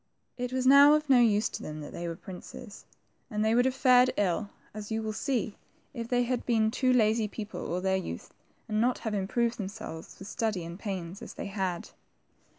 It was now of no use to them that they were princes, and they would have fared ill, as you will see, if they had been two lazy people all their youth, and not have improved themselves with study and pains, as they had.